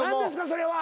それは。